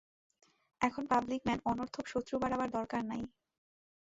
এখন public man, অনর্থক শত্রু বাড়াবার দরকার নাই।